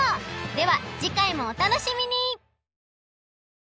では次回もお楽しみに！